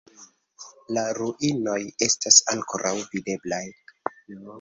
La ruinoj estas ankoraŭ videblaj.